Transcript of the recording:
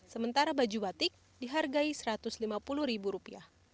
sementara baju batik dihargai rp satu ratus lima puluh